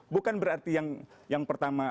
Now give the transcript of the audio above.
bukan berarti yang pertama